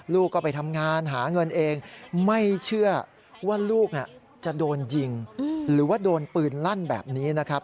ลูกก็ไปทำงานหาเงินเองไม่เชื่อว่าลูกจะโดนยิงหรือว่าโดนปืนลั่นแบบนี้นะครับ